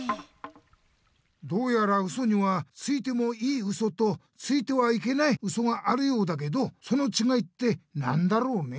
どうやらウソにはついてもいいウソとついてはいけないウソがあるようだけどそのちがいって何だろうね？